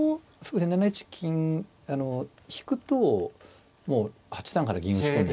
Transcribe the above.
７一金引くともう８三から銀打ち込んで。